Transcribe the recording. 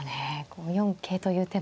５四桂という手も。